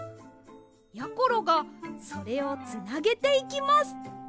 やころがそれをつなげていきます。